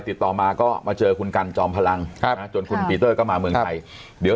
ติดต่อมาก็มาเจอคุณกันจอมพลังครับนะจนคุณปีเตอร์ก็มาเมืองไทย